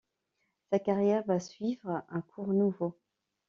Sa carrière va suivre un cours nouveau.